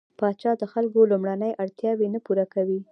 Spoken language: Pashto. پاچا د خلکو لومړنۍ اړتياوې نه پوره کوي.